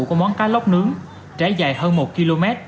của món cá lóc nướng trải dài hơn một km